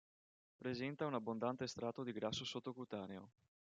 Presenta un abbondante strato di grasso sottocutaneo.